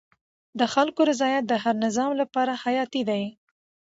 د خلکو رضایت د هر نظام لپاره حیاتي دی